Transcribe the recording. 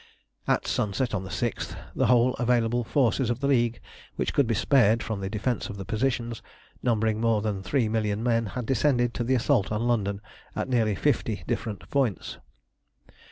At sunset on the 6th the whole available forces of the League which could be spared from the defence of the positions, numbering more than three million men, had descended to the assault on London at nearly fifty different points.